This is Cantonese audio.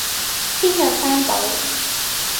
煎釀三寶